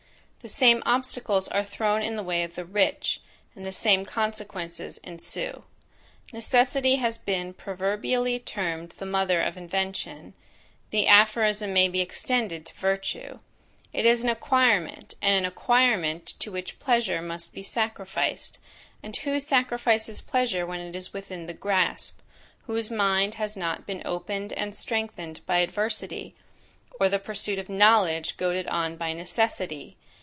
The same obstacles are thrown in the way of the rich, and the same consequences ensue. Necessity has been proverbially termed the mother of invention; the aphorism may be extended to virtue. It is an acquirement, and an acquirement to which pleasure must be sacrificed, and who sacrifices pleasure when it is within the grasp, whose mind has not been opened and strengthened by adversity, or the pursuit of knowledge goaded on by necessity?